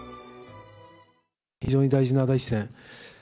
非常に大事な第１戦。